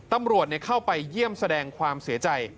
ตำรวจเข้าไปเยี่ยมแสดงความเสียใจ